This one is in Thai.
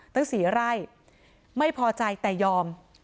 ถึงสี่ไร่ไม่พอใจแต่ยอม